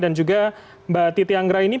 dan juga mbak titi anggra ini